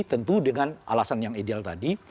tentu dengan alasan yang ideal tadi